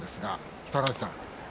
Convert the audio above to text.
北の富士さん